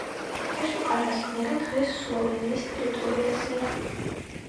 ეს უკანასკნელი დღეს სლოვენიის ტერიტორიაზეა.